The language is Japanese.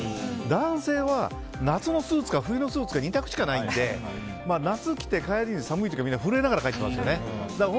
男性は夏のスーツか冬のスーツか２択しかないので、夏を着て帰りに寒い時は震えながら帰ってますよね。